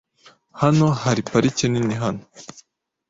Hano hari parike nini hano .